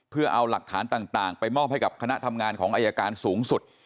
เพื่อเอาหลักฐานต่างไปมอบให้กับคณะทำงานของอายการสูงสุด